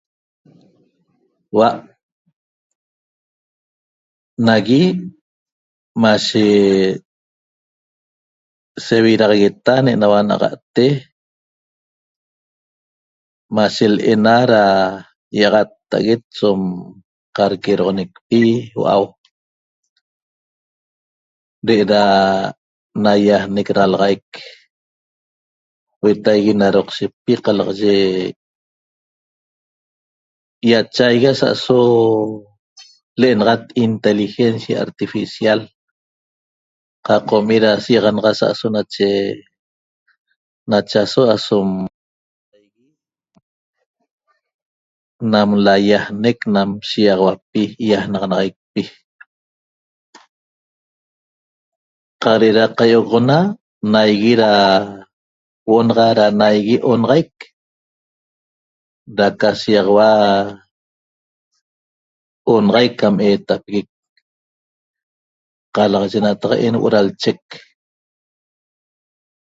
Hua' nagui mashe sevidaxagueta ne'enaua na'axa'te mashe l'ena da i'axatta'aguet som qadquedoxonecpi hua'au de'eda naiajnec dalaxaic huetaigui na doqshepi qalaxayi iachaigui asa'aso l'enaxat inteligencia artificial qaq qomi' da seiaxanaxa asa'aso nache nachaso asom nam laiajnec nam shiiaxauapi iajnaxanaxaicpi qaq de'eda da qai'ogoxona naigui da huo'o naxa da onaxaic da ca shiiaxaua onaxaic cam eetapeguec qalaxaye nataq'en huo'o da lchec